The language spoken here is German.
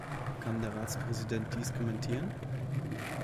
Kann der Ratspräsident dies kommentieren?